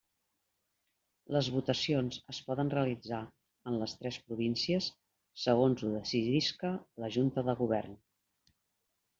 Les votacions es poden realitzar en les tres províncies, segons ho decidisca la Junta de Govern.